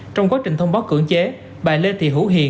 trong quá trình thông báo cưỡng chế bà lê thị hữu hiền